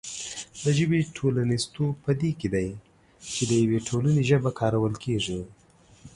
د ژبې ټولنیزتوب په دې کې دی چې د یوې ټولنې ژبه کارول کېږي.